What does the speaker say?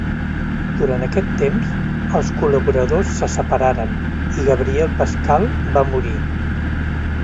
Durant aquest temps, els col·laboradors se separaren i Gabriel Pascal va morir.